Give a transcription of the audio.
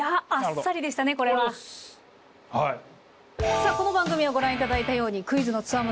さあこの番組はご覧いただいたようにクイズの強者